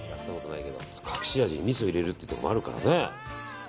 隠し味にみそ入れるってところもあるからね。